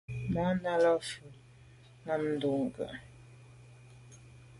Ndà’ndà’ lα mfɛ̂l ὰm Ndʉ̂kə.